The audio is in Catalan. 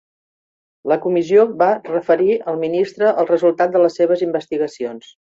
La comissió va referir al ministre el resultat de les seves investigacions.